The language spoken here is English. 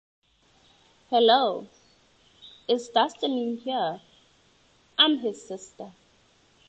Hello? Is Dustin in here? I'm his sister.